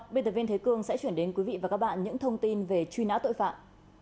biên tập viên thế cương sẽ chuyển đến quý vị và các bạn những thông tin về truy nã tội phạm